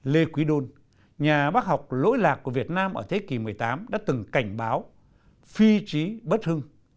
lê quý đôn nhà bác học lỗi lạc của việt nam ở thế kỷ một mươi tám đã từng cảnh báo phi trí bất hưng